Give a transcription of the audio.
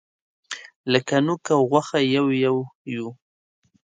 لکه نوک او غوښه یو یو یوو.